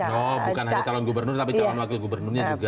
bukan hanya calon gubernur tapi calon wakil gubernurnya juga